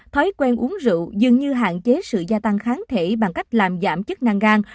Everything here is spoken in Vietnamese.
thói quen uống rượu dường như hạn chế sự gia tăng kháng thể bằng cách làm giảm chức năng gan